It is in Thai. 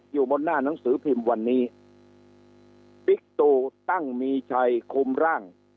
อยู่บนหน้าหนังสือพิมพ์วันนี้บิ๊กตูตั้งมีชัยคุมร่าง